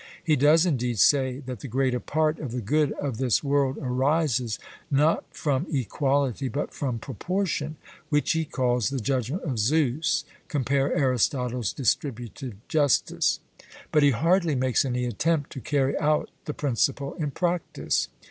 He does indeed say that the greater part of the good of this world arises, not from equality, but from proportion, which he calls the judgment of Zeus (compare Aristotle's Distributive Justice), but he hardly makes any attempt to carry out the principle in practice.